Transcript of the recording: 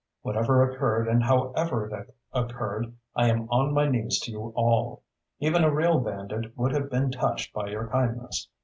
Whatever occurred and however it occurred, I am on my knees to you all. Even a real bandit would have been touched by your kindness.